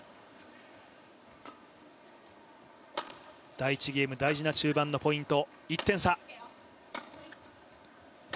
第１ゲーム、大事な中盤のポイント。